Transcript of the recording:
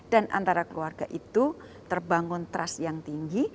dan antara keluarga itu terbangun trust yang tinggi